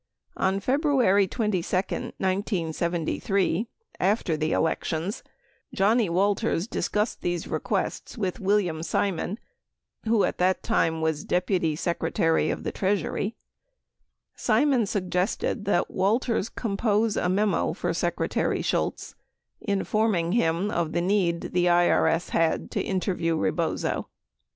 97 On February 22, 1973, after the elec tions, Johnnie Walters discussed these requests with William Simon, who at that time was Deputy Secretary of the Treasury. Simon sug gested that Walters compose a memo for Secretary Shultz, informing him of the need the IRS had to interview Rebozo.